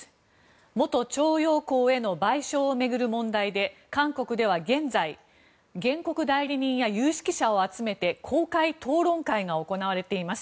元徴用工への賠償を巡る問題で韓国では現在原告代理人や有識者を集めて公開討論会が行われています。